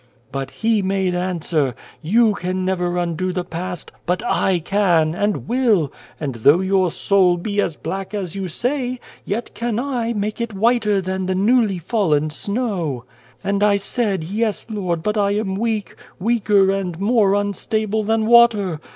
" But He made answer, * You can never undo the past, but / can, and will ; and though your soul be as black as you say, yet can I make it whiter than the newly fallen snow.' " And I said, ' Yes, Lord, but I am weak weaker and more unstable than water.